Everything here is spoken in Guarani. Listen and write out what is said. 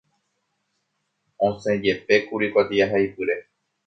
Osẽjepékuri kuatiahaipyre.